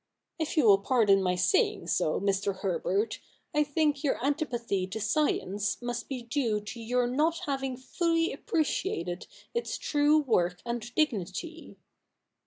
If you will pardon my saying so, Mr. Herbert, I think your antipathy to science must be due to your not having fully appreciated its true work and dignity.'